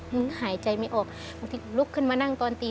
หายใจไม่ออกบางทีลุกขึ้นมานั่งตอนตี